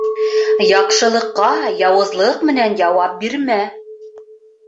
Яҡшылыҡҡа яуызлыҡ менән яуап бирмә.